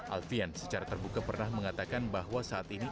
alfian secara terbuka pernah mengatakan bahwa saat ini